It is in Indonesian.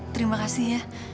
terima kasih ya